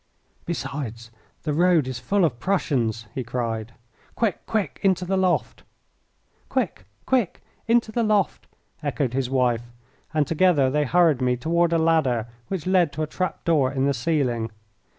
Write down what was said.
"Besides, the road is full of Prussians," he cried. "Quick! quick! into the loft!" "Quick! quick! into the loft!" echoed his wife, and together they hurried me toward a ladder which led to a trap door in the ceiling.